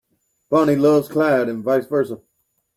Bonnie loves Clyde and vice versa.